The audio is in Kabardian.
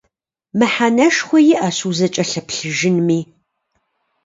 Мыхьэнэшхуэ иӀэщ узыкӀэлъыплъыжынми.